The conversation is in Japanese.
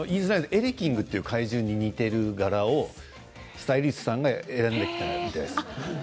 エレキングという怪獣に似ている柄をスタイリストさんが選んできたみたいです。